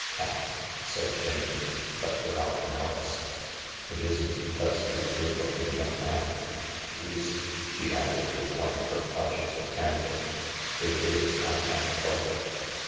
" Cat I "said Jane, but without malice. " Itisn't because he's a good looking young man. At least," she added, with one of her flashes of candour, "if it is, I can't help it.